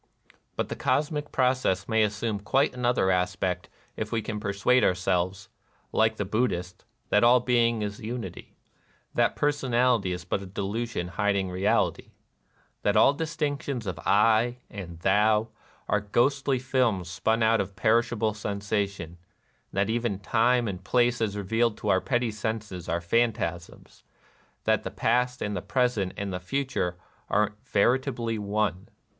" But the cosmic process may assume quite another aspect if we can persuade ourselves, like the Buddhist, that all being is Unity, — that personality is but a delusion hiding real ity, — that all distinctions of " I " and " thou " are ghostly films spun out of perishable sensa tion, — that even Time and Place as revealed to our petty senses are phantasms, — that the past and the present and the future are veri tably One.